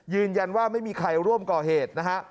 ยืนยันว่าไม่มีใครร่วมก่อเหตุนะฮะ